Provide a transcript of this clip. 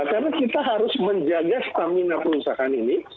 karena kita harus menjaga stamina perusahaan ini